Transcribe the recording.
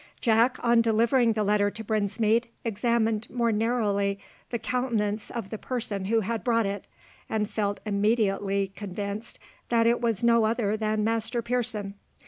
Jack on delivering the letter to Brinsmead, examined more narrowly the countenance of the person who had brought it, and felt immediately convinced that it was no other than Master Pearson.